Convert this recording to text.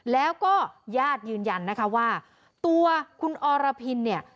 แล้วก็ญาติยืนยันนะคะว่าตัวคุณอรพินเนี่ย